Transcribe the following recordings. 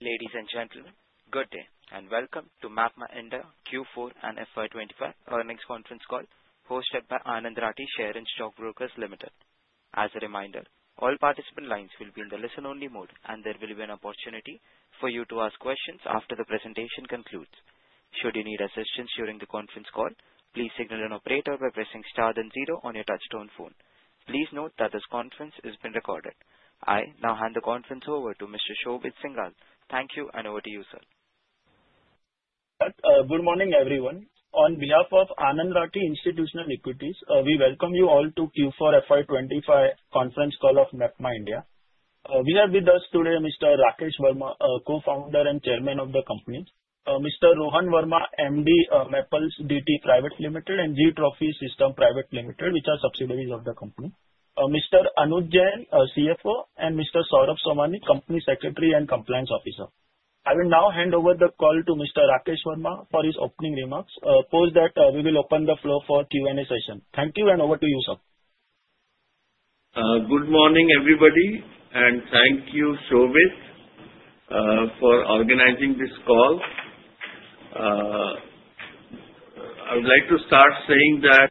Ladies and gentlemen, good day and welcome to MapmyIndia Q4 and FY2025 earnings conference call hosted by Anand Rathi Shares and Stock Brokers Limited. As a reminder, all participant lines will be in the listen-only mode, and there will be an opportunity for you to ask questions after the presentation concludes. Should you need assistance during the conference call, please signal an operator by pressing star then zero on your touch-tone phone. Please note that this conference is being recorded. I now hand the conference over to Mr. Shobit Singhal. Thank you, and over to you, sir. Good morning, everyone. On behalf of Anand Rathi Institutional Equities, we welcome you all to Q4 FY2025 conference call of CE Info Systems Ltd. We have with us today Mr. Rakesh Verma, Co-founder and Chairman of the company; Mr. Rohan Verma, Managing Director, Mappls DT Private Limited and Geotrophy Systems Private Limited, which are subsidiaries of the company; Mr. Anuj Jain, Chief Financial Officer; and Mr. Saurabh Somani, Company Secretary and Compliance Officer. I will now hand over the call to Mr. Rakesh Verma for his opening remarks. Post that, we will open the floor for Q&A session. Thank you, and over to you, sir. Good morning, everybody, and thank you, Shobit, for organizing this call. I would like to start saying that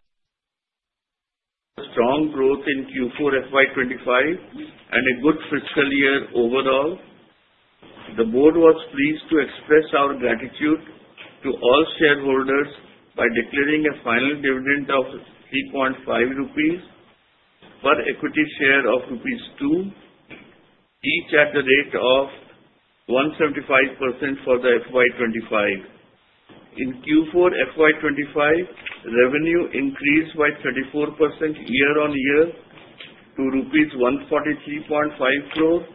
strong growth in Q4 FY2025 and a good fiscal year overall. The board was pleased to express our gratitude to all shareholders by declaring a final dividend of 3.50 rupees per equity share of rupees 2, each at the rate of 175% for the FY2025. In Q4 FY2025, revenue increased by 34% year-on-year to rupees 143.5 crore,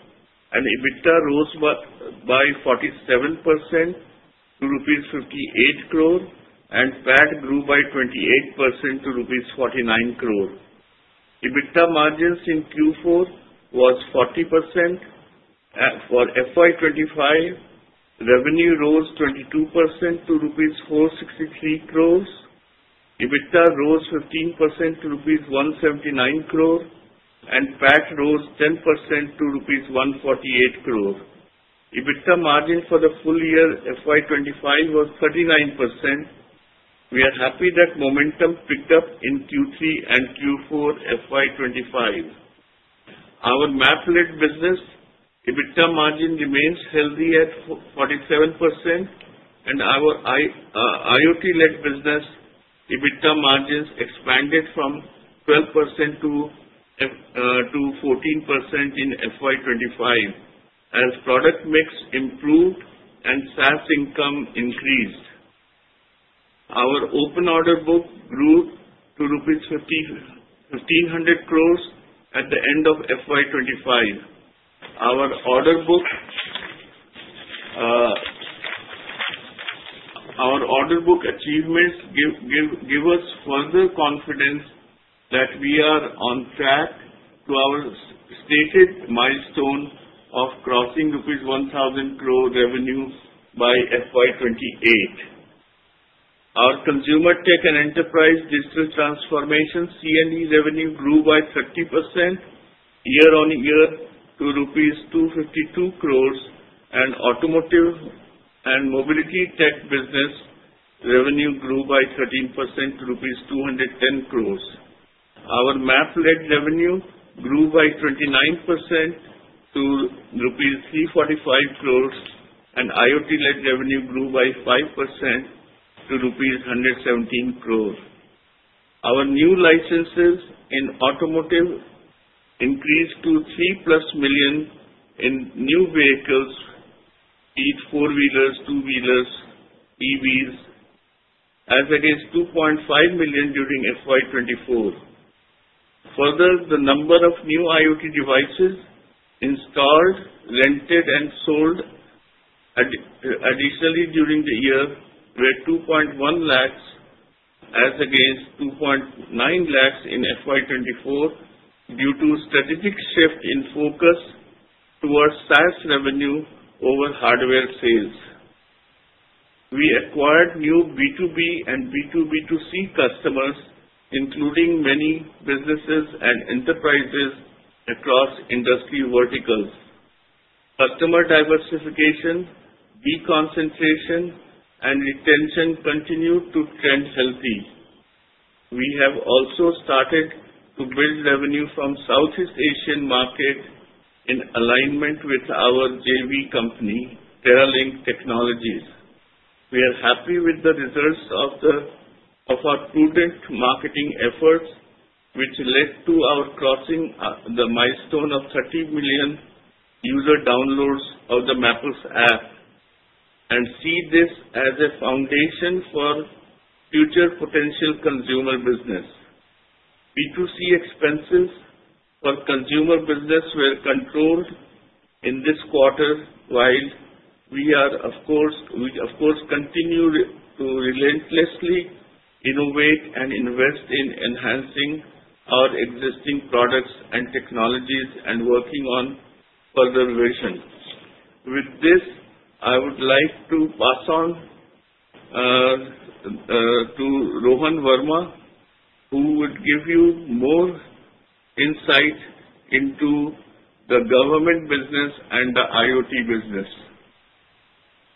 and EBITDA rose by 47% to rupees 58 crore, and PAT grew by 28% to rupees 49 crore. EBITDA margins in Q4 were 40%. For FY2025, revenue rose 22% to 463 crore rupees, EBITDA rose 15% to 179 crore rupees, and PAT rose 10% to 148 crore rupees. EBITDA margin for the full year FY2025 was 39%. We are happy that momentum picked up in Q3 and Q4 FY2025. Our map-led business EBITDA margin remains healthy at 47%, and our IoT-led business EBITDA margins expanded from 12% to 14% in FY 2025 as product mix improved and SaaS income increased. Our open order book grew to rupees 1,500 crore at the end of FY 2025. Our order book achievements give us further confidence that we are on track to our stated milestone of crossing rupees 1,000 crore revenue by FY 2028. Our consumer tech and enterprise digital transformation C&E revenue grew by 30% year-on-year to rupees 252 crore, and automotive and mobility tech business revenue grew by 13% to rupees 210 crore. Our map-led revenue grew by 29% to rupees 345 crore, and IoT-led revenue grew by 5% to rupees 117 crore. Our new licenses in automotive increased to 3 million plus in new vehicles, be it four-wheelers, two-wheelers, EVs, as against 2.5 million during FY 2024. Further, the number of new IoT devices installed, rented, and sold additionally during the year were 210,000, as against 290,000 in FY 2024 due to a strategic shift in focus towards SaaS revenue over hardware sales. We acquired new B2B and B2B2C customers, including many businesses and enterprises across industry verticals. Customer diversification, deconcentration, and retention continued to trend healthy. We have also started to build revenue from the Southeast Asian market in alignment with our JV company, Teralink Technologies. We are happy with the results of our prudent marketing efforts, which led to our crossing the milestone of 30 million user downloads of the MapmyIndia App, and see this as a foundation for future potential consumer business. B2C expenses for consumer business were controlled in this quarter, while we are, of course, continue to relentlessly innovate and invest in enhancing our existing products and technologies and working on further revisions. With this, I would like to pass on to Rohan Verma, who would give you more insight into the government business and the IoT business.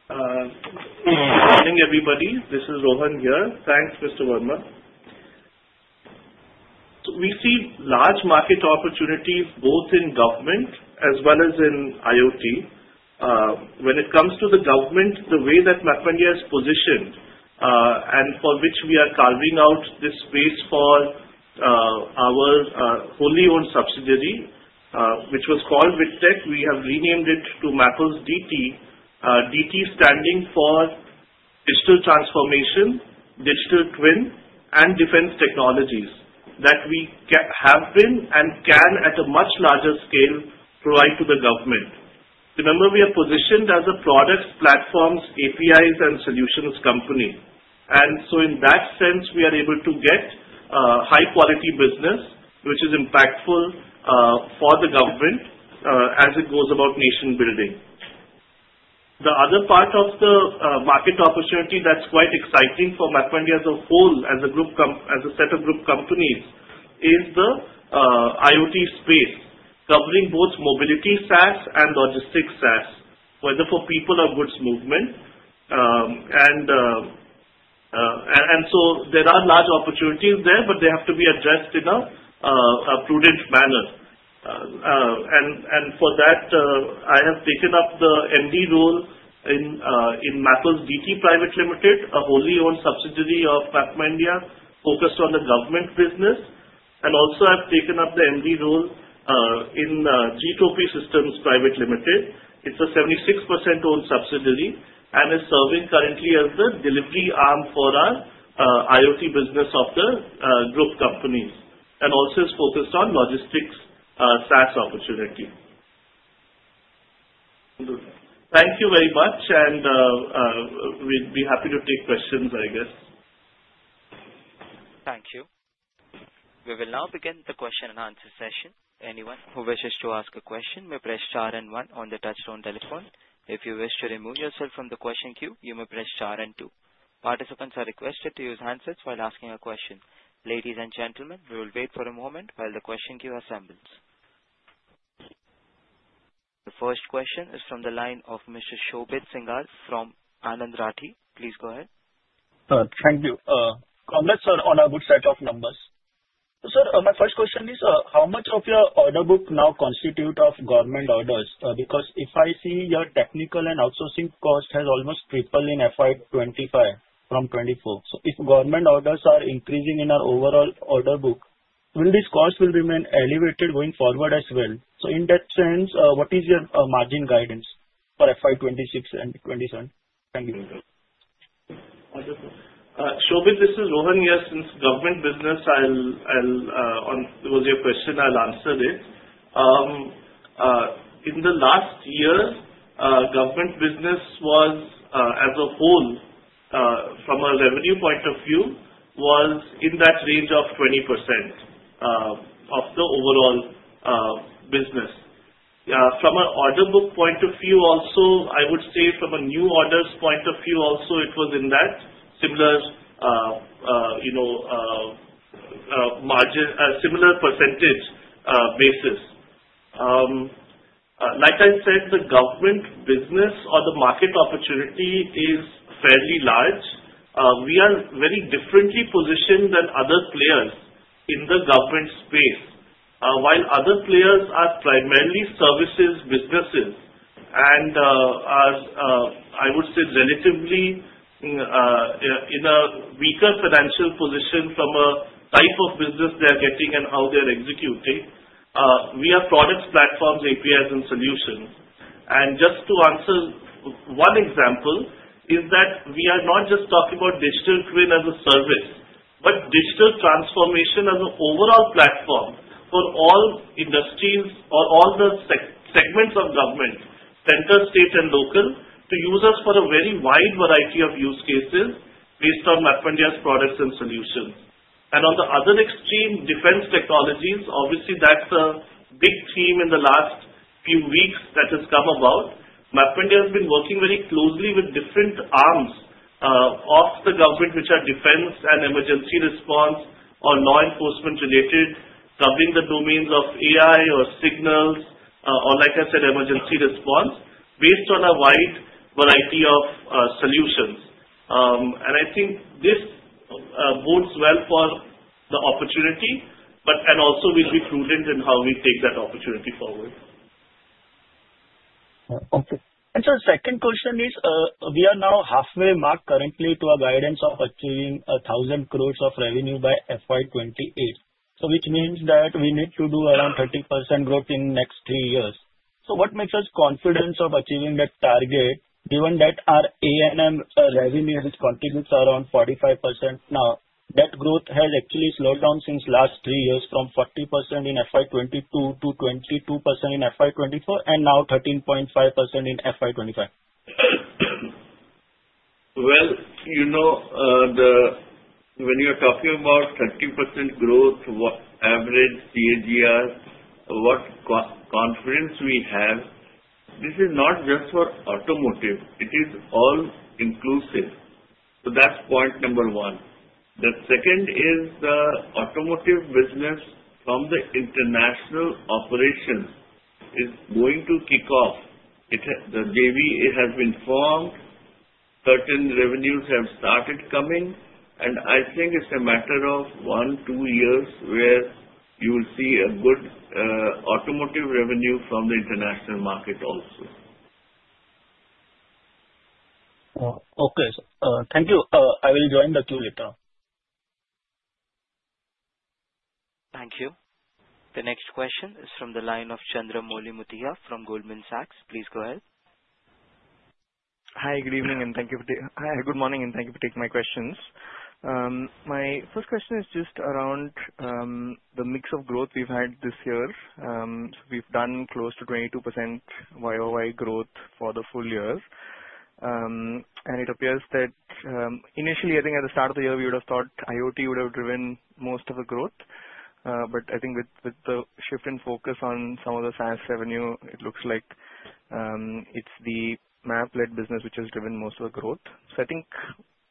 Good morning, everybody. This is Rohan here. Thanks, Mr. Verma. We see large market opportunities both in government as well as in IoT. When it comes to the government, the way that MapmyIndia is positioned and for which we are carving out this space for our wholly-owned subsidiary, which was called VIDTEQ, we have renamed it to Maples DT, DT standing for Digital Transformation, Digital Twin, and Defense Technologies that we have been and can at a much larger scale provide to the government. Remember, we are positioned as a product platforms, APIs, and solutions company. In that sense, we are able to get high-quality business, which is impactful for the government as it goes about nation-building. The other part of the market opportunity that's quite exciting for MapmyIndia as a whole, as a group, as a set of group companies, is the IoT space covering both mobility SaaS and logistics SaaS, whether for people or goods movement. There are large opportunities there, but they have to be addressed in a prudent manner. For that, I have taken up the MD role in Mappls DT Private Limited, a wholly-owned subsidiary of MapmyIndia focused on the government business. I have also taken up the MD role in Geotrophy Systems Private Limited. It's a 76% owned subsidiary and is serving currently as the delivery arm for our IoT business of the group companies and also is focused on logistics SaaS opportunity. Thank you very much, and we'd be happy to take questions, I guess. Thank you. We will now begin the question and answer session. Anyone who wishes to ask a question may press star and 1 on the touch-tone telephone. If you wish to remove yourself from the question queue, you may press star and 2. Participants are requested to use handsets while asking a question. Ladies and gentlemen, we will wait for a moment while the question queue assembles. The first question is from the line of Mr. Shobit Singhal from Anand Rathi. Please go ahead. Thank you. Congrats, sir, on a good set of numbers. Sir, my first question is, how much of your order book now constitutes government orders? Because if I see your technical and outsourcing cost has almost tripled in FY2025 from 2024. If government orders are increasing in our overall order book, will this cost remain elevated going forward as well? In that sense, what is your margin guidance for FY2026 and 2027? Thank you. Wonderful. Shobit, this is Rohan. Yes, since government business, I'll, on your question, I'll answer it. In the last year, government business was, as a whole, from a revenue point of view, was in that range of 20% of the overall business. From an order book point of view also, I would say from a new orders point of view also, it was in that similar margin, similar % basis. Like I said, the government business or the market opportunity is fairly large. We are very differently positioned than other players in the government space. While other players are primarily services businesses and are, I would say, relatively in a weaker financial position from a type of business they're getting and how they're executing, we are product platforms, APIs, and solutions. Just to answer, one example is that we are not just talking about digital twin as a service, but digital transformation as an overall platform for all industries or all the segments of government, center, state, and local, to use us for a very wide variety of use cases based on MapmyIndia's products and solutions. On the other extreme, defense technologies, obviously, that is a big theme in the last few weeks that has come about. MapmyIndia has been working very closely with different arms of the government, which are defense and emergency response or law enforcement related, covering the domains of AI or signals or, like I said, emergency response based on a wide variety of solutions. I think this bodes well for the opportunity, but also we will be prudent in how we take that opportunity forward. Okay. The second question is, we are now halfway mark currently to our guidance of achieving 1,000 crore of revenue by FY2028, which means that we need to do around 30% growth in the next three years. What makes us confident of achieving that target, given that our A&M revenue has contributed around 45% now? That growth has actually slowed down since the last three years from 40% in FY2022 to 22% in FY2024, and now 13.5% in FY2025? You know, when you're talking about 30% growth, average CAGR, what confidence we have, this is not just for automotive. It is all inclusive. That's point number one. The second is the automotive business from the international operation is going to kick off. The JV has been formed. Certain revenues have started coming. I think it's a matter of one-two years where you will see a good automotive revenue from the international market also. Okay. Thank you. I will join the queue later. Thank you. The next question is from the line of Chandramouli Muthiah from Goldman Sachs. Please go ahead. Hi, good evening, and thank you for taking—good morning, and thank you for taking my questions. My first question is just around the mix of growth we've had this year. We have done close to 22% year-over-year growth for the full year. It appears that initially, I think at the start of the year, we would have thought IoT would have driven most of the growth. I think with the shift in focus on some of the SaaS revenue, it looks like it is the map-led business which has driven most of the growth. I think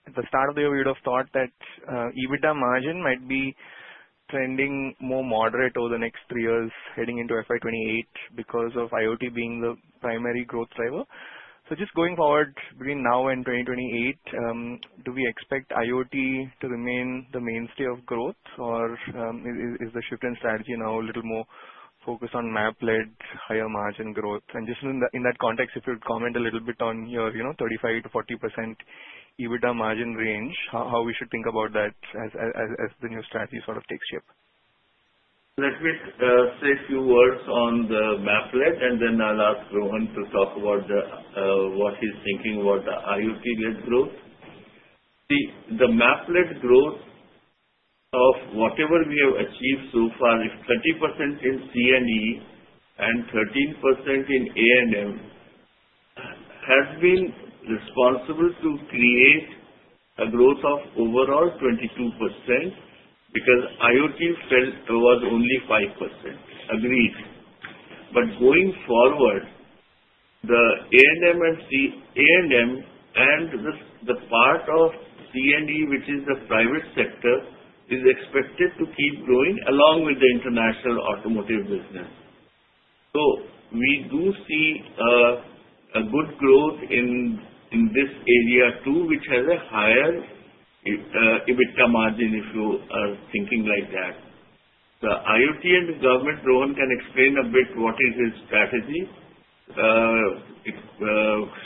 at the start of the year, we would have thought that EBITDA margin might be trending more moderate over the next three years heading into FY2028 because of IoT being the primary growth driver. Just going forward between now and 2028, do we expect IoT to remain the mainstay of growth, or is the shift in strategy now a little more focused on map-led higher margin growth? In that context, if you'd comment a little bit on your 35%-40% EBITDA margin range, how we should think about that as the new strategy sort of takes shape? Let me say a few words on the map-led, and then I'll ask Rohan to talk about what he's thinking about the IoT-led growth. See, the map-led growth of whatever we have achieved so far, if 30% in C&E and 13% in A&M has been responsible to create a growth of overall 22% because IoT was only 5%. Agreed. Going forward, the A&M and the part of C&E, which is the private sector, is expected to keep growing along with the international automotive business. We do see a good growth in this area too, which has a higher EBITDA margin if you are thinking like that. The IoT and government, Rohan can explain a bit what is his strategy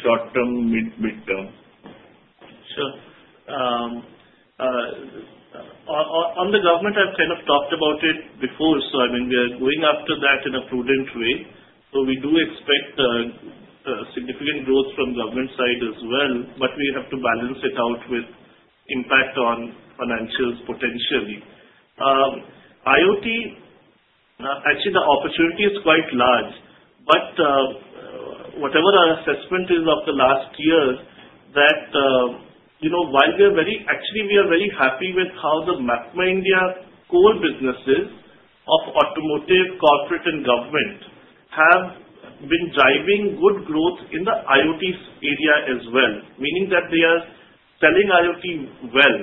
short-term, mid-term. Sure. On the government, I've kind of talked about it before. I mean, we are going after that in a prudent way. We do expect significant growth from government side as well, but we have to balance it out with impact on financials potentially. IoT, actually, the opportunity is quite large. Whatever our assessment is of the last year, while we are very—actually, we are very happy with how the MapmyIndia core businesses of automotive, corporate, and government have been driving good growth in the IoT area as well, meaning that they are selling IoT well.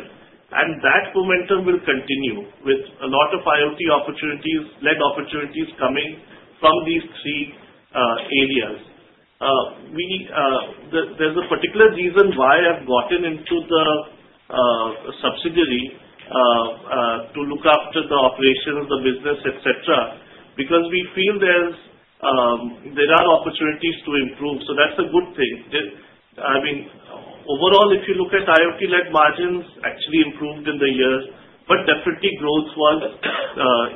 That momentum will continue with a lot of IoT opportunities, led opportunities coming from these three areas. There's a particular reason why I've gotten into the subsidiary to look after the operations, the business, etc., because we feel there are opportunities to improve. That's a good thing. I mean, overall, if you look at IoT-led margins, actually improved in the years, but definitely growth was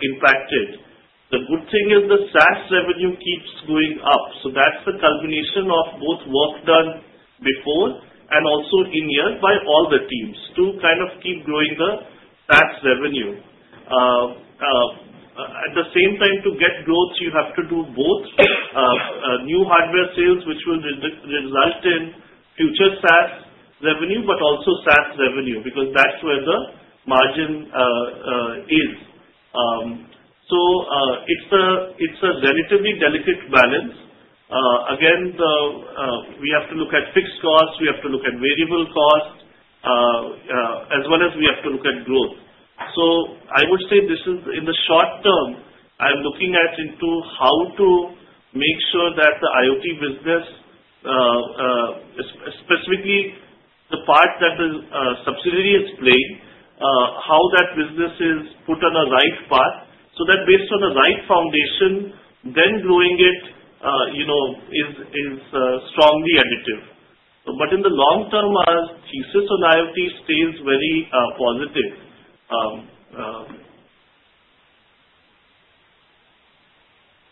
impacted. The good thing is the SaaS revenue keeps going up. So that's the culmination of both work done before and also in years by all the teams to kind of keep growing the SaaS revenue. At the same time, to get growth, you have to do both new hardware sales, which will result in future SaaS revenue, but also SaaS revenue because that's where the margin is. It's a relatively delicate balance. Again, we have to look at fixed costs. We have to look at variable costs as well as we have to look at growth. I would say this is in the short term, I'm looking at into how to make sure that the IoT business, specifically the part that the subsidiary is playing, how that business is put on a right path so that based on the right foundation, then growing it is strongly additive. In the long term, our thesis on IoT stays very positive.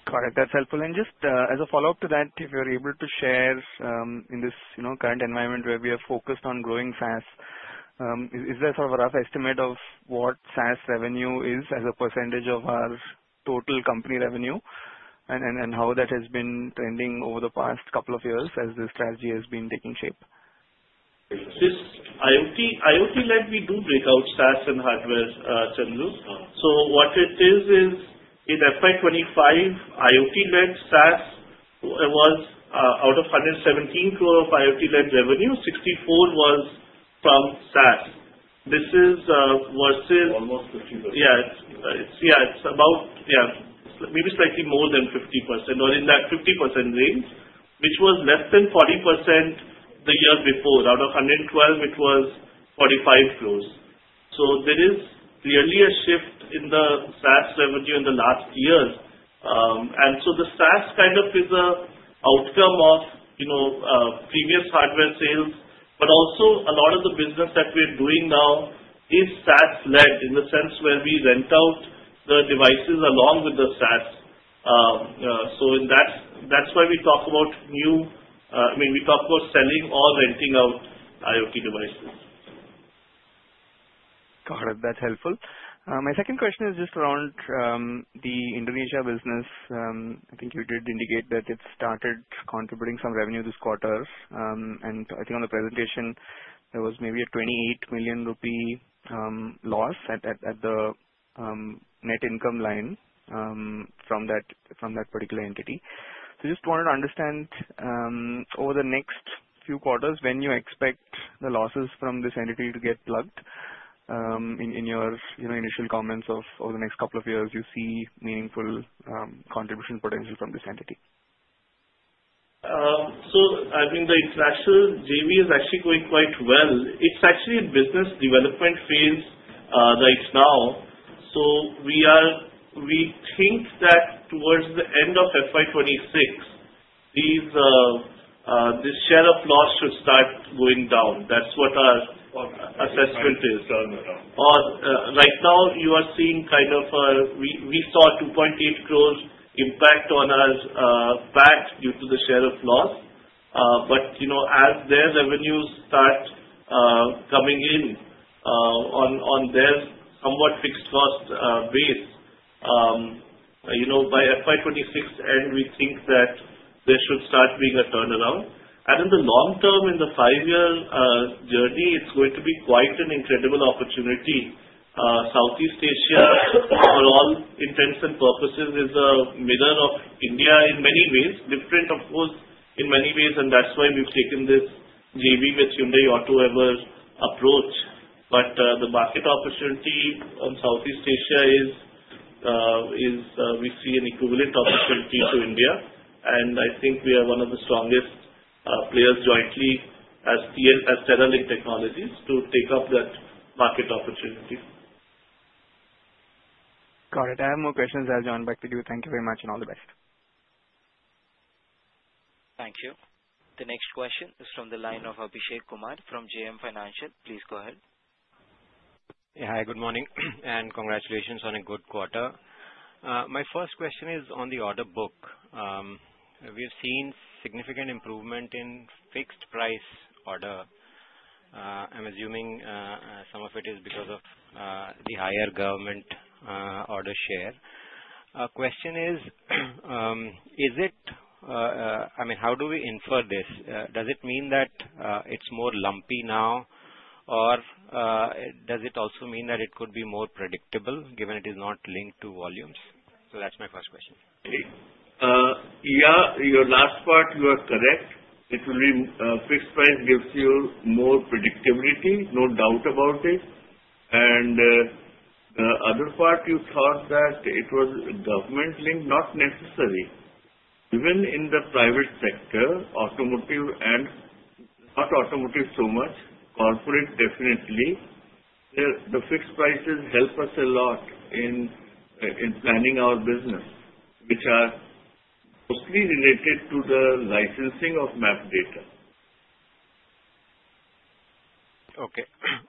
Got it. That's helpful. Just as a follow-up to that, if you're able to share, in this current environment where we are focused on growing SaaS, is there sort of a rough estimate of what SaaS revenue is as a percentage of our total company revenue and how that has been trending over the past couple of years as the strategy has been taking shape? IoT-led, we do break out SaaS and hardware, Chandru. What it is, is in FY2025, IoT-led SaaS was out of 117 crore of IoT-led revenue, 64 crore was from SaaS. This is versus. Almost 50%. Yeah. Yeah. It is about, yeah, maybe slightly more than 50% or in that 50% range, which was less than 40% the year before. Out of 112, it was ₹45 crore. So there is clearly a shift in the SaaS revenue in the last year. And the SaaS kind of is an outcome of previous hardware sales, but also a lot of the business that we are doing now is SaaS-led in the sense where we rent out the devices along with the SaaS. That is why we talk about new—I mean, we talk about selling or renting out IoT devices. Got it. That's helpful. My second question is just around the Indonesia business. I think you did indicate that it started contributing some revenue this quarter. I think on the presentation, there was maybe an 28 million rupee loss at the net income line from that particular entity. Just wanted to understand over the next few quarters, when you expect the losses from this entity to get plugged. In your initial comments of over the next couple of years, you see meaningful contribution potential from this entity? I think the international JV is actually going quite well. It is actually a business development phase right now. We think that towards the end of FY2026, this share of loss should start going down. That is what our assessment is. Right now, you are seeing kind of a—we saw a 28,000,000 impact on our back due to the share of loss. As their revenues start coming in on their somewhat fixed cost base, by FY2026 end, we think that there should start being a turnaround. In the long term, in the five-year journey, it is going to be quite an incredible opportunity. Southeast Asia, for all intents and purposes, is a mirror of India in many ways, different, of course, in many ways. That is why we have taken this JV with Hyundai Autoever approach. The market opportunity in Southeast Asia is we see an equivalent opportunity to India. I think we are one of the strongest players jointly as Teralink Technologies to take up that market opportunity. Got it. I have more questions as John back to you. Thank you very much and all the best. Thank you. The next question is from the line of Abhishek Kumar from J.M. Financial. Please go ahead. Yeah. Hi, good morning. And congratulations on a good quarter. My first question is on the order book. We have seen significant improvement in fixed price order. I'm assuming some of it is because of the higher government order share. My question is, is it—I mean, how do we infer this? Does it mean that it's more lumpy now, or does it also mean that it could be more predictable given it is not linked to volumes? So that's my first question. Yeah. Your last part, you are correct. It will be fixed price gives you more predictability. No doubt about it. The other part, you thought that it was government linked, not necessary. Even in the private sector, automotive and not automotive so much, corporate definitely, the fixed prices help us a lot in planning our business, which are mostly related to the licensing of map data. Okay.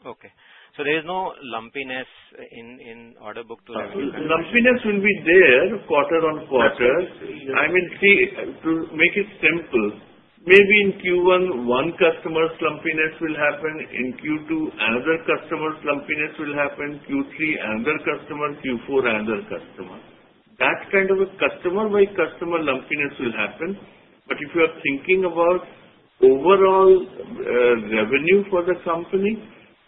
Okay. So there is no lumpiness in order book to revenue? Lumpiness will be there quarter on quarter. I mean, see, to make it simple, maybe in Q1, one customer's lumpiness will happen. In Q2, another customer's lumpiness will happen. Q3, another customer. Q4, another customer. That kind of a customer-by-customer lumpiness will happen. If you are thinking about overall revenue for the company,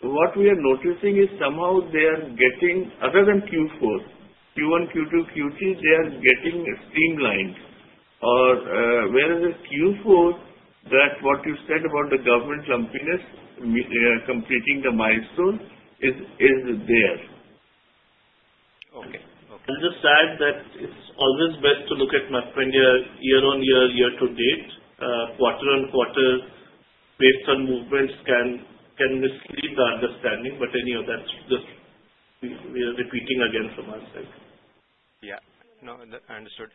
what we are noticing is somehow they are getting, other than Q4, Q1, Q2, Q3, they are getting streamlined. Whereas in Q4, that's what you said about the government lumpiness completing the milestone is there. Okay. I'll just add that it's always best to look at MapmyIndia year on year, year to date, quarter on quarter, based on movements can mislead the understanding. Anyway, that's just we are repeating again from our side. Yeah. No, I understood.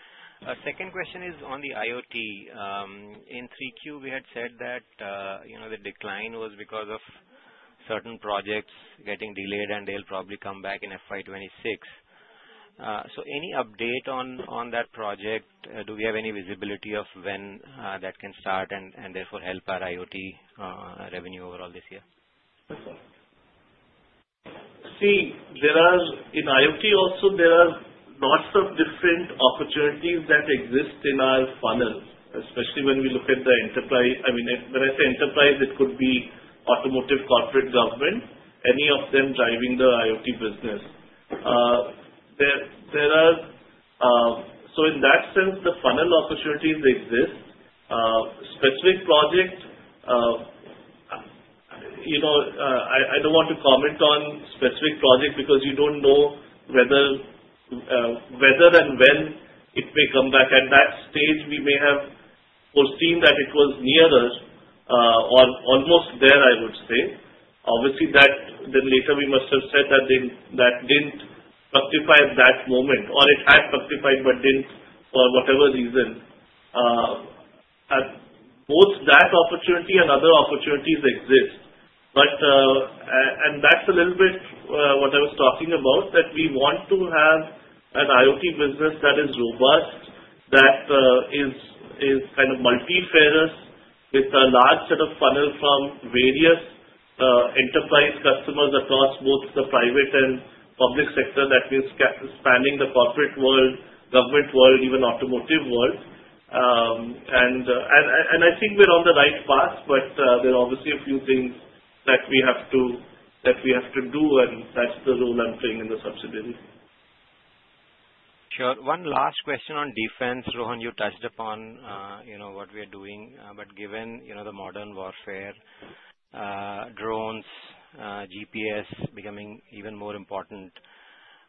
Second question is on the IoT. In 3Q, we had said that the decline was because of certain projects getting delayed, and they'll probably come back in FY2026. Any update on that project? Do we have any visibility of when that can start and therefore help our IoT revenue overall this year? See, in IoT also, there are lots of different opportunities that exist in our funnel, especially when we look at the enterprise. I mean, when I say enterprise, it could be automotive, corporate, government, any of them driving the IoT business. In that sense, the funnel opportunities exist. Specific project, I do not want to comment on specific project because you do not know whether and when it may come back. At that stage, we may have foreseen that it was nearer or almost there, I would say. Obviously, then later we must have said that did not fructify at that moment, or it had fructified but did not for whatever reason. Both that opportunity and other opportunities exist. That is a little bit what I was talking about, that we want to have an IoT business that is robust, that is kind of multi-ferrous with a large set of funnel from various enterprise customers across both the private and public sector. That means spanning the corporate world, government world, even automotive world. I think we are on the right path, but there are obviously a few things that we have to do, and that is the role I am playing in the subsidiary. Sure. One last question on defense. Rohan, you touched upon what we are doing, but given the modern warfare, drones, GPS becoming even more important,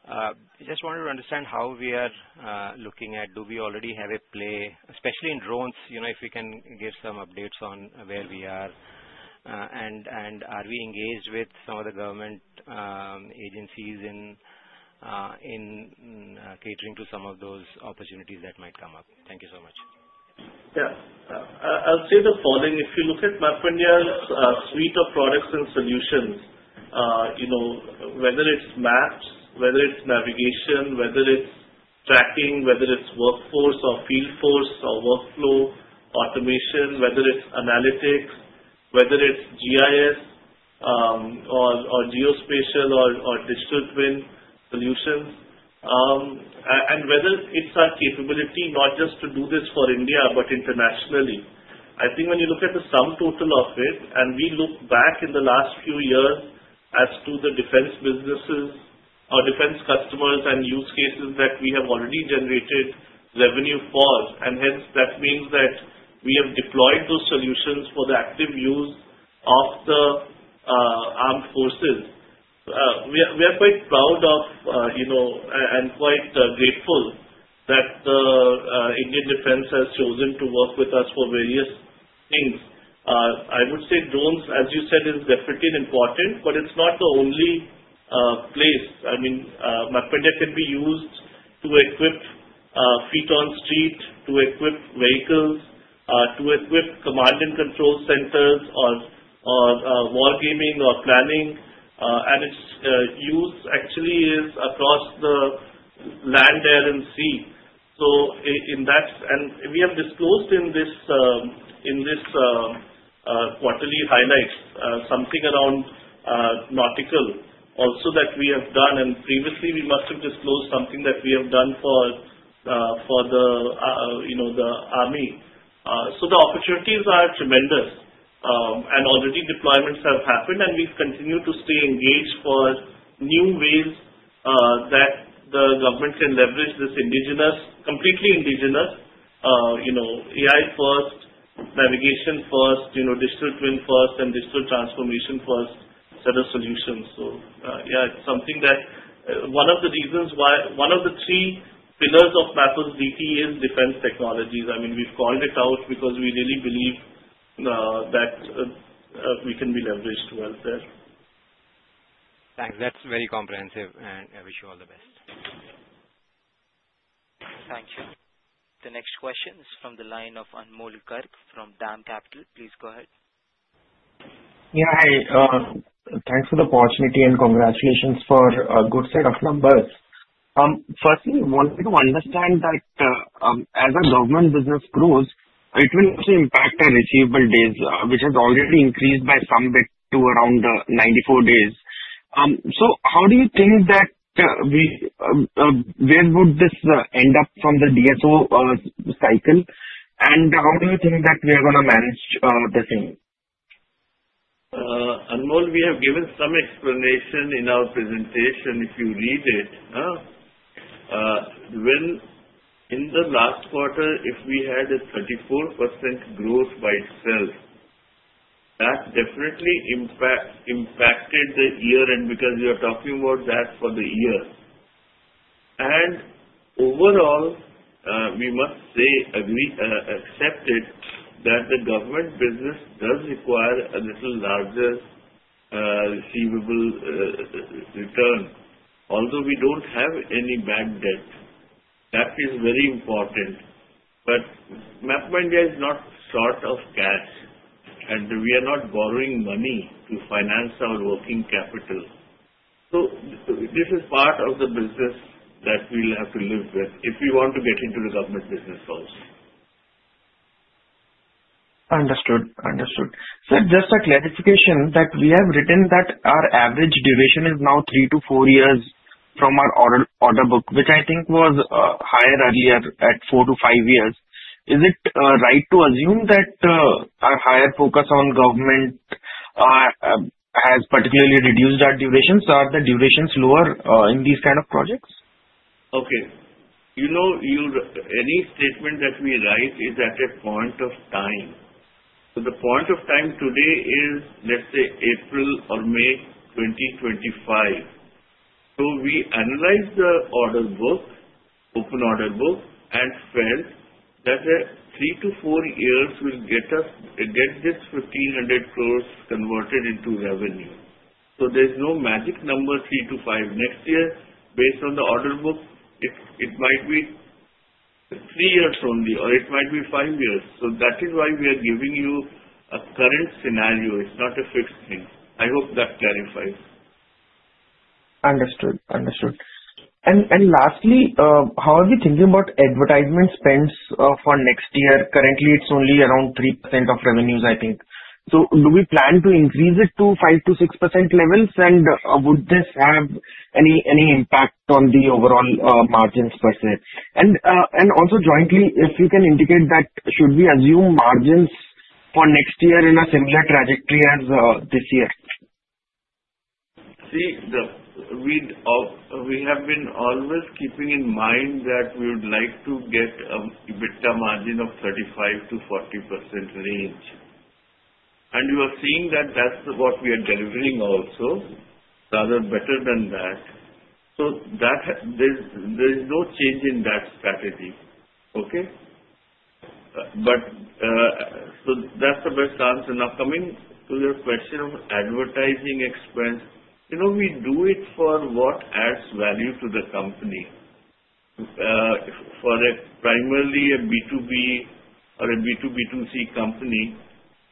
I just wanted to understand how we are looking at, do we already have a play, especially in drones, if we can give some updates on where we are, and are we engaged with some of the government agencies in catering to some of those opportunities that might come up? Thank you so much. Yeah. I'll say the following. If you look at MapmyIndia's suite of products and solutions, whether it's maps, whether it's navigation, whether it's tracking, whether it's workforce or field force or workflow automation, whether it's analytics, whether it's GIS or geospatial or digital twin solutions, and whether it's our capability not just to do this for India, but internationally. I think when you look at the sum total of it, and we look back in the last few years as to the defense businesses or defense customers and use cases that we have already generated revenue for, and hence that means that we have deployed those solutions for the active use of the armed forces. We are quite proud of and quite grateful that the Indian defense has chosen to work with us for various things. I would say drones, as you said, is definitely important, but it's not the only place. I mean, MapmyIndia can be used to equip feet on street, to equip vehicles, to equip command and control centers or war gaming or planning. Its use actually is across the land, air, and sea. In that, and we have disclosed in this quarterly highlights something around nautical also that we have done. Previously, we must have disclosed something that we have done for the army. The opportunities are tremendous, and already deployments have happened, and we continue to stay engaged for new ways that the government can leverage this completely indigenous AI first, navigation first, digital twin first, and digital transformation first set of solutions. Yeah, it's something that one of the reasons why one of the three pillars of Maples DT is defense technologies. I mean, we've called it out because we really believe that we can be leveraged well there. Thanks. That's very comprehensive, and I wish you all the best. Thank you. The next question is from the line of Anmol Garb from DAM Capital. Please go ahead. Yeah. Hi. Thanks for the opportunity and congratulations for a good set of numbers. Firstly, I want to understand that as our government business grows, it will also impact our receivable days, which has already increased by some bit to around 94 days. How do you think that we, where would this end up from the DFO cycle? How do you think that we are going to manage the thing? Anmol, we have given some explanation in our presentation. If you read it, in the last quarter, if we had a 34% growth by itself, that definitely impacted the year-end because you are talking about that for the year. Overall, we must say accepted that the government business does require a little larger receivable return, although we do not have any bank debt. That is very important. MapmyIndia is not short of cash, and we are not borrowing money to finance our working capital. This is part of the business that we will have to live with if we want to get into the government business also. Understood. Understood. Sir, just a clarification that we have written that our average duration is now three to four years from our order book, which I think was higher earlier at four to five years. Is it right to assume that our higher focus on government has particularly reduced our durations? Are the durations lower in these kind of projects? Okay. Any statement that we write is at a point of time. The point of time today is, let's say, April or May 2025. We analyzed the order book, open order book, and felt that three to four years will get this 1,500 crore converted into revenue. There is no magic number three to five. Next year, based on the order book, it might be three years only, or it might be five years. That is why we are giving you a current scenario. It is not a fixed thing. I hope that clarifies. Understood. Understood. Lastly, how are we thinking about advertisement spends for next year? Currently, it's only around 3% of revenues, I think. Do we plan to increase it to 5-6% levels, and would this have any impact on the overall margins per se? Also, jointly, if you can indicate that, should we assume margins for next year in a similar trajectory as this year? See, we have been always keeping in mind that we would like to get a margin of 35%-40% range. You are seeing that that's what we are delivering also, rather better than that. There is no change in that strategy. Okay? That's the best answer. Now, coming to your question of advertising expense, we do it for what adds value to the company. Primarily a B2B or a B2B2C company.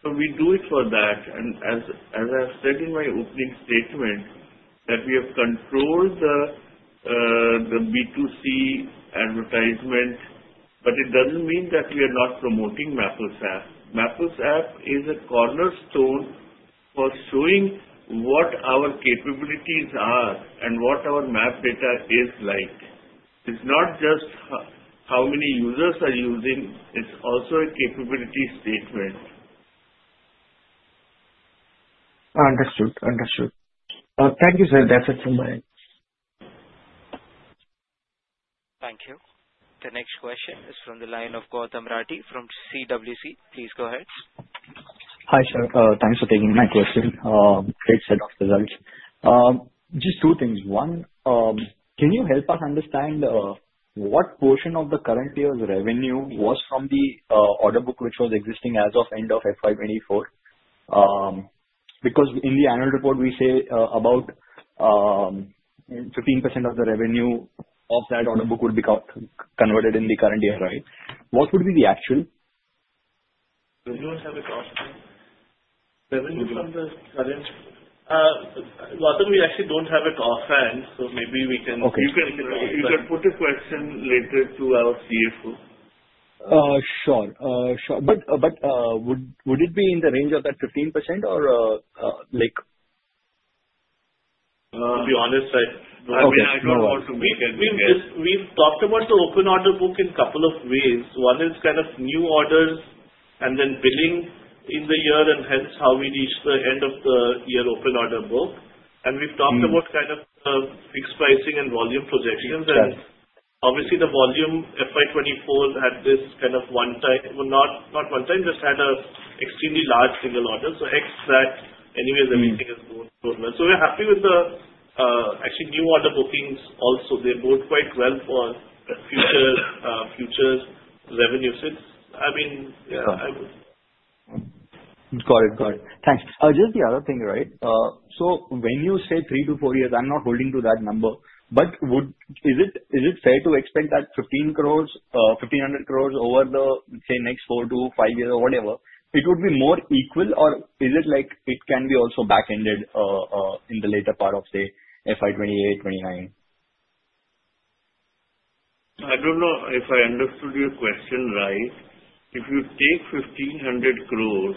We do it for that. As I have said in my opening statement, we have controlled the B2C advertisement, but it doesn't mean that we are not promoting MapmyIndia App. MapmyIndia App is a cornerstone for showing what our capabilities are and what our map data is like. It's not just how many users are using. It's also a capability statement. Understood. Understood. Thank you, sir. That's it from my end. Thank you. The next question is from the line of Gautam Rathi from CWC. Please go ahead. Hi, sir. Thanks for taking my question. Great set of results. Just two things. One, can you help us understand what portion of the current year's revenue was from the order book which was existing as of end of FY2024? Because in the annual report, we say about 15% of the revenue of that order book would be converted in the current year, right? What would be the actual? We don't have it offhand. Revenue from the current, Gautam, we actually don't have it offhand, so maybe we can put the question later to our CFO. Sure. Sure. Would it be in the range of that 15% or? To be honest, I don't know. I mean, I don't want to make it. We've talked about the open order book in a couple of ways. One is kind of new orders and then billing in the year, and hence how we reach the end of the year open order book. We've talked about kind of fixed pricing and volume projections. Obviously, the volume for FY2024 had this kind of one-time, not one-time, just had an extremely large single order. So X factor, anyways, everything is going well. We're happy with the actually new order bookings also. They bode quite well for future revenues. I mean, yeah. Got it. Got it. Thanks. Just the other thing, right? When you say three to four years, I'm not holding to that number, but is it fair to expect that 1,500 crore over the, say, next four to five years or whatever, it would be more equal, or is it like it can be also back-ended in the later part of, say, fiscal year 2028, fiscal year 2029? I don't know if I understood your question right. If you take 1,500 crore,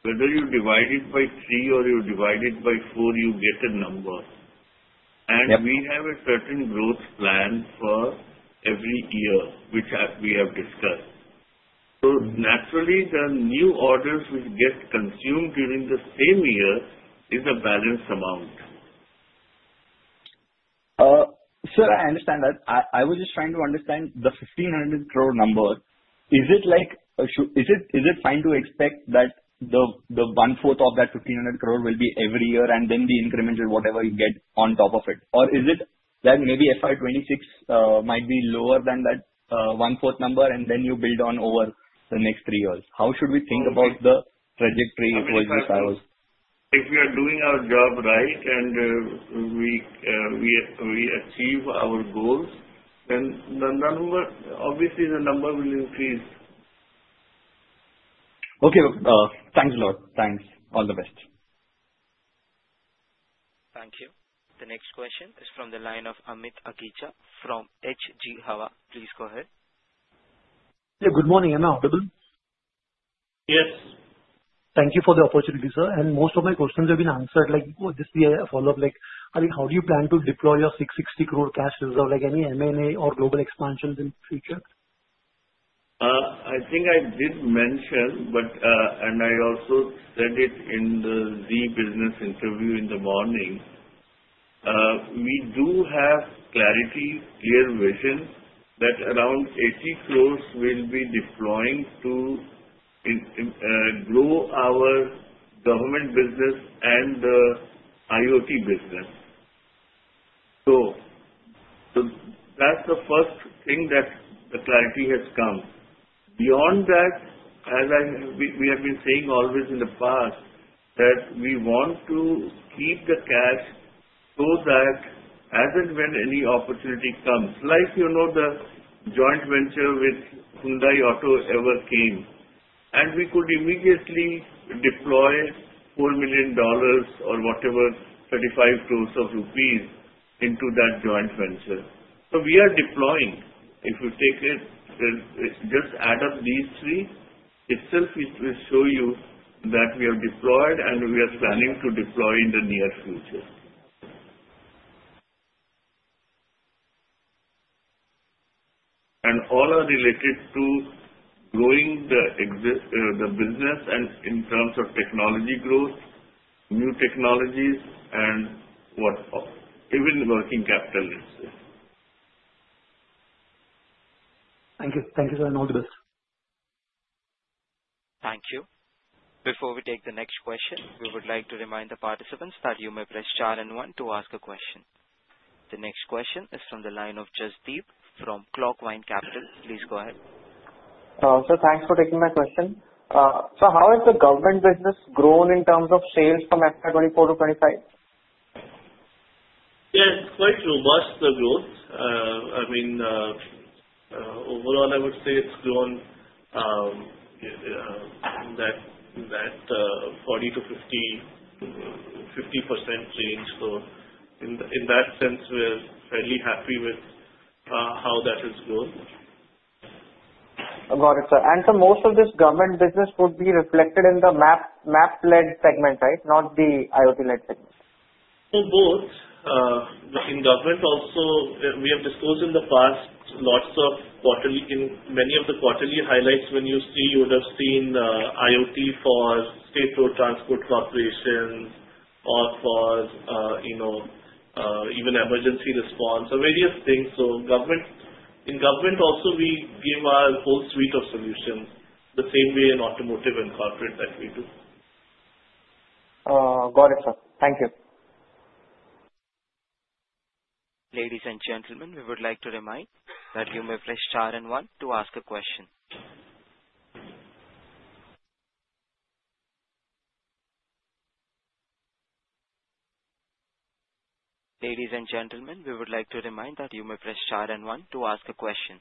whether you divide it by three or you divide it by four, you get a number. We have a certain growth plan for every year, which we have discussed. Naturally, the new orders which get consumed during the same year is a balanced amount. Sir, I understand that. I was just trying to understand the 1,500 crore number. Is it fine to expect that one-fourth of that 1,500 crore will be every year and then the incremental, whatever you get on top of it? Or is it that maybe FY2026 might be lower than that one-fourth number, and then you build on over the next three years? How should we think about the trajectory towards this hours? If we are doing our job right and we achieve our goals, then obviously, the number will increase. Okay. Thanks a lot. Thanks. All the best. Thank you. The next question is from the line of Amit Agicha from HG Hawa. Please go ahead. Yeah. Good morning. Am I audible? Yes. Thank you for the opportunity, sir. Most of my questions have been answered. Just a follow-up. I mean, how do you plan to deploy your 660 crore cash reserve? Any M&A or global expansions in the future? I think I did mention, and I also said it in the Z business interview in the morning. We do have clarity, clear vision that around 800 million will be deploying to grow our government business and the IoT business. That is the first thing that the clarity has come. Beyond that, as we have been saying always in the past, we want to keep the cash so that as and when any opportunity comes, like the joint venture with Hyundai Autoever came, and we could immediately deploy $4 million or whatever, 350 million rupees into that joint venture. We are deploying. If you take it, just add up these three. Itself, it will show you that we have deployed and we are planning to deploy in the near future. All are related to growing the business and in terms of technology growth, new technologies, and even working capital, let's say. Thank you. Thank you, sir. All the best. Thank you. Before we take the next question, we would like to remind the participants that you may press star and 1 to ask a question. The next question is from the line of Jasdeep from Clockvine Capital. Please go ahead. Sir, thanks for taking my question. How has the government business grown in terms of sales from FY 2024 to FY 2025? Yeah. It's quite robust, the growth. I mean, overall, I would say it's grown that 40%-50% range. So in that sense, we're fairly happy with how that has grown. Got it, sir. And sir, most of this government business would be reflected in the Maples segment, right? Not the IoT-led segment. Both. In government also, we have disclosed in the past lots of quarterly, in many of the quarterly highlights, when you see, you would have seen IoT for state road transport corporations or for even emergency response or various things. In government also, we give our whole suite of solutions the same way in automotive and corporate that we do. Got it, sir. Thank you. Ladies and gentlemen, we would like to remind that you may press star and 1 to ask a question.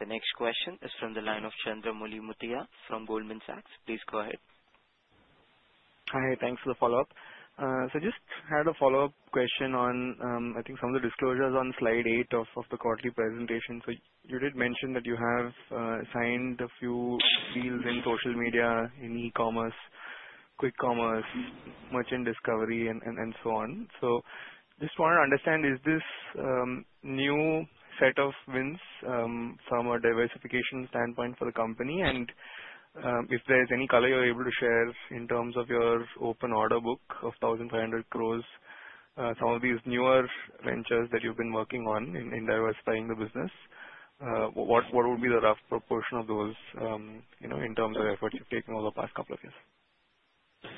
The next question is from the line of Chandramouli Muthiaha from Goldman Sachs. Please go ahead. Hi. Thanks for the follow-up. Just had a follow-up question on, I think, some of the disclosures on slide eight of the quarterly presentation. You did mention that you have signed a few deals in social media, in e-commerce, quick commerce, merchant discovery, and so on. Just wanted to understand, is this new set of wins from a diversification standpoint for the company? If there's any color you're able to share in terms of your open order book of 1,500 crore, some of these newer ventures that you've been working on in diversifying the business, what would be the rough proportion of those in terms of efforts you've taken over the past couple of years?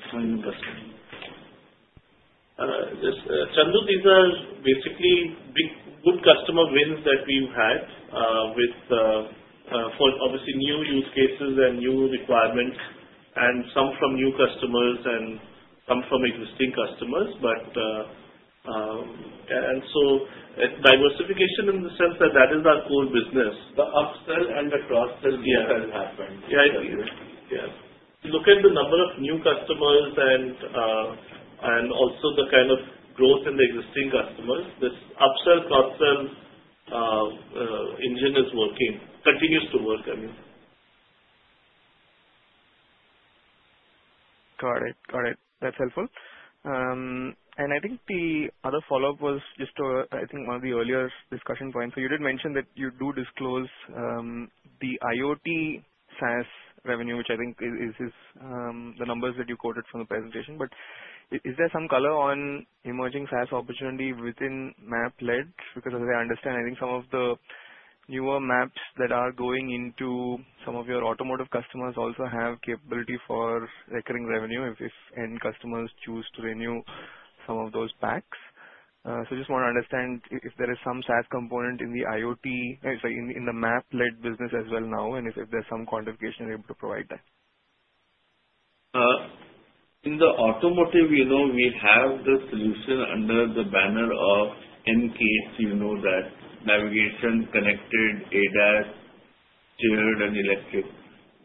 Chandu, these are basically good customer wins that we've had for obviously new use cases and new requirements and some from new customers and some from existing customers. Diversification in the sense that that is our core business. The upsell and the cross-sell deal has happened. Yeah. Look at the number of new customers and also the kind of growth in the existing customers. This upsell-cross-sell engine is working, continues to work, I mean. Got it. Got it. That's helpful. I think the other follow-up was just, I think, one of the earlier discussion points. You did mention that you do disclose the IoT SaaS revenue, which I think is the numbers that you quoted from the presentation. Is there some color on emerging SaaS opportunity within Maples DT? As I understand, I think some of the newer maps that are going into some of your automotive customers also have capability for recurring revenue if end customers choose to renew some of those packs. I just want to understand if there is some SaaS component in the IoT, sorry, in the Maples DT business as well now, and if there's some quantification you're able to provide for that. In the automotive, we have the solution under the banner of N-CAP, that navigation, connected, ADAS, shared, and electric.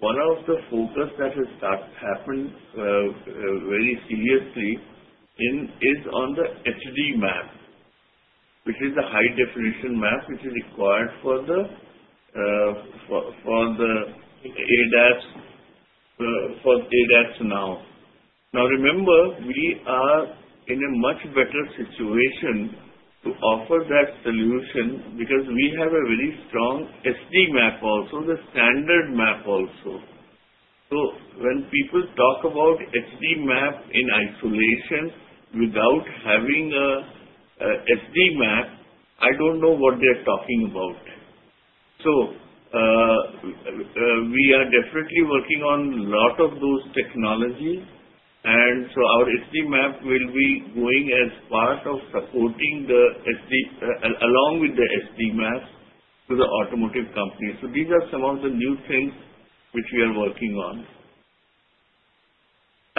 One of the focus that has happened very seriously is on the HD map, which is the high-definition map which is required for the ADAS now. Now, remember, we are in a much better situation to offer that solution because we have a very strong SD map also, the standard map also. When people talk about HD map in isolation without having an SD map, I do not know what they are talking about. We are definitely working on a lot of those technologies. Our SD map will be going as part of supporting along with the SD map to the automotive company. These are some of the new things which we are working on.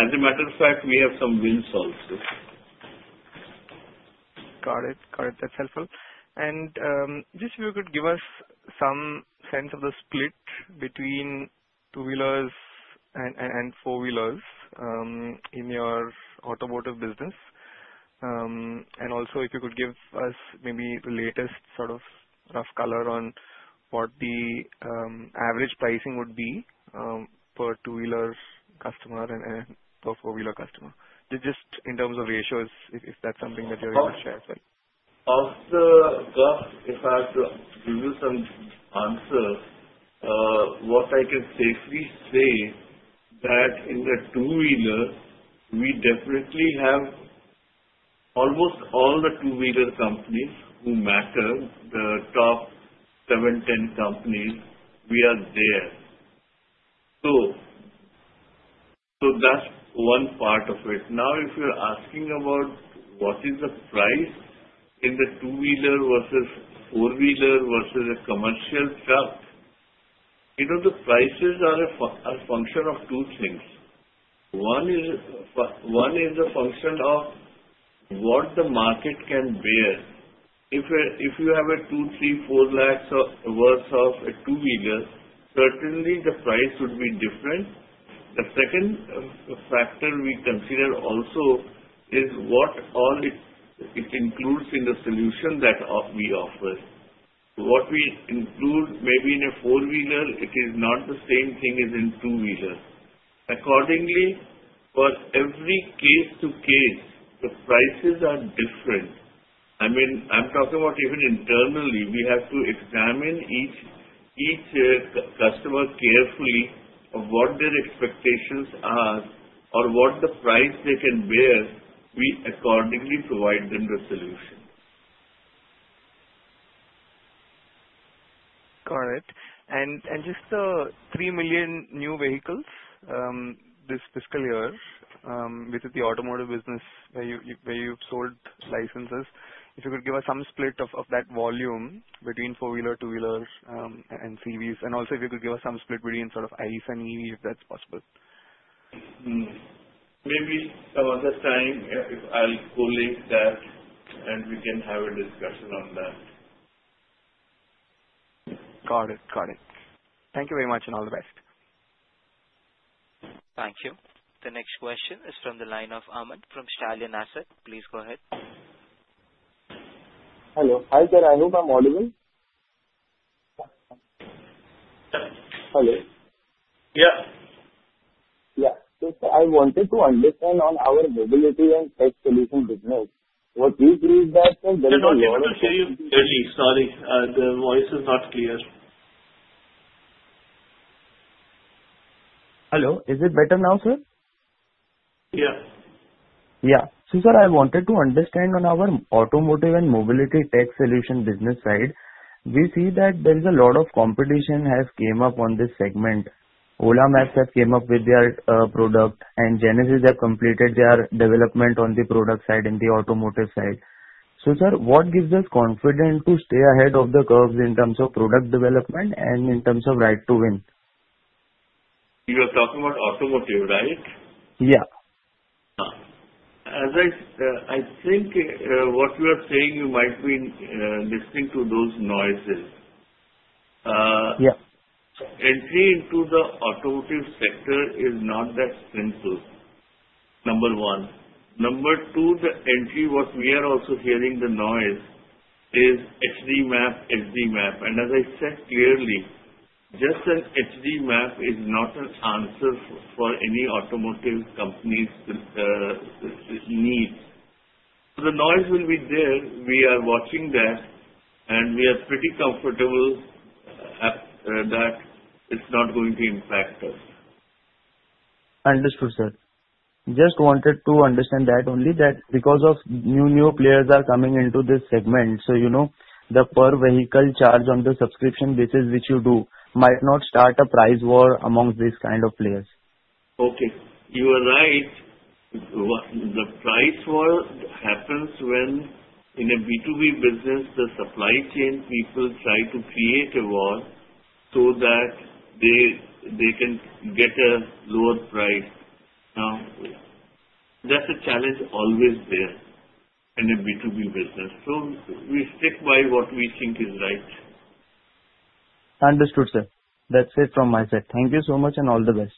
As a matter of fact, we have some wins also. Got it. Got it. That's helpful. If you could give us some sense of the split between two-wheelers and four-wheelers in your automotive business. If you could give us maybe the latest sort of rough color on what the average pricing would be for a two-wheeler customer and a four-wheeler customer, just in terms of ratios, if that's something that you're able to share as well. Of the GAF, if I have to give you some answer, what I can safely say is that in the two-wheeler, we definitely have almost all the two-wheeler companies who matter, the top 7-10 companies, we are there. That is one part of it. Now, if you are asking about what is the price in the two-wheeler versus four-wheeler versus a commercial truck, the prices are a function of two things. One is a function of what the market can bear. If you have a ₹2-4 lakh worth of a two-wheeler, certainly the price would be different. The second factor we consider also is what all it includes in the solution that we offer. What we include maybe in a four-wheeler, it is not the same thing as in two-wheeler. Accordingly, for every case to case, the prices are different. I mean, I am talking about even internally. We have to examine each customer carefully of what their expectations are or what the price they can bear. We accordingly provide them the solution. Got it. Just the 3 million new vehicles this fiscal year with the automotive business where you've sold licenses, if you could give us some split of that volume between four-wheeler, two-wheeler, and CVs. Also, if you could give us some split between sort of ICE and EV, if that's possible. Maybe another time, I'll collate that and we can have a discussion on that. Got it. Got it. Thank you very much and all the best. Thank you. The next question is from the line of Aman from Stallion Asset. Please go ahead. Hello. Hi there. I hope I'm audible. Hello. Yeah. Yeah. I wanted to understand on our mobility and tech solution business. What we do is that. I was going to say earlier. Sorry. The voice is not clear. Hello. Is it better now, sir? Yeah. Yeah. Sir, I wanted to understand on our automotive and mobility tech solution business side, we see that there is a lot of competition has come up on this segment. OLA Maps have come up with their product, and Genesys have completed their development on the product side in the automotive side. Sir, what gives us confidence to stay ahead of the curves in terms of product development and in terms of right to win? You are talking about automotive, right? Yeah. As I think what you are saying, you might be listening to those noises. Entry into the automotive sector is not that simple, number one. Number two, the entry, what we are also hearing the noise is HD map, HD map. As I said clearly, just an HD map is not an answer for any automotive company's needs. The noise will be there. We are watching that, and we are pretty comfortable that it's not going to impact us. Understood, sir. Just wanted to understand that only that because new players are coming into this segment, the per vehicle charge on the subscription basis which you do might not start a price war among these kind of players. Okay. You are right. The price war happens when in a B2B business, the supply chain people try to create a war so that they can get a lower price. Now, that's a challenge always there in a B2B business. We stick by what we think is right. Understood, sir. That's it from my side. Thank you so much and all the best.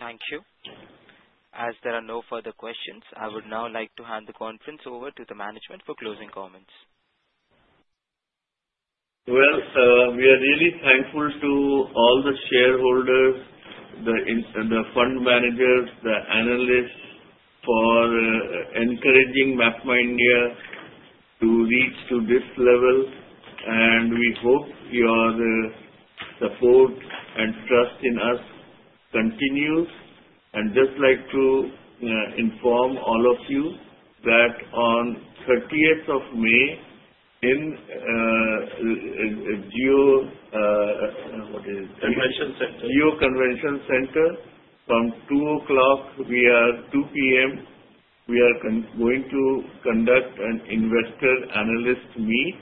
Thank you. As there are no further questions, I would now like to hand the conference over to the management for closing comments. We are really thankful to all the shareholders, the fund managers, the analysts for encouraging MapmyIndia to reach to this level. We hope your support and trust in us continues. I just like to inform all of you that on 30th of May in GEO Convention Center from 2:00 P.M., we are going to conduct an investor analyst meet.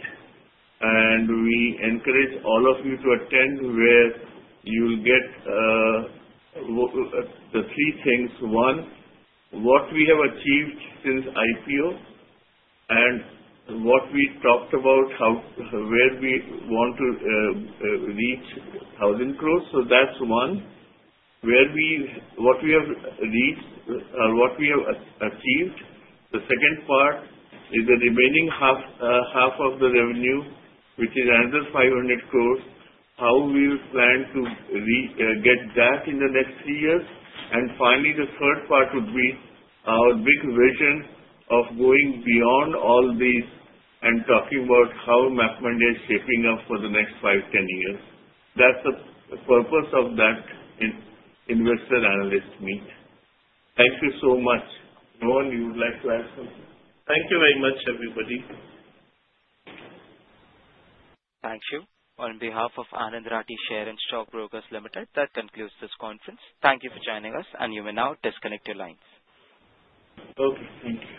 We encourage all of you to attend where you'll get the three things. One, what we have achieved since IPO and what we talked about, where we want to reach 1,000 crore. That's one, what we have reached or what we have achieved. The second part is the remaining half of the revenue, which is another 500 crore, how we plan to get that in the next three years. Finally, the third part would be our big vision of going beyond all these and talking about how MapmyIndia is shaping up for the next 5, 10 years. That is the purpose of that investor analyst meet. Thank you so much. John, you would like to add something? Thank you very much, everybody. Thank you. On behalf of Anand Rathi Shares and Stock Brokers Limited, that concludes this conference. Thank you for joining us, and you may now disconnect your lines. Okay. Thank you.